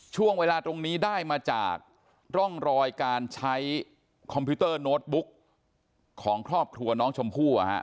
ช่วงเวลาตรงนี้ได้มาจากร่องรอยการใช้คอมพิวเตอร์โน้ตบุ๊กของครอบครัวน้องชมพู่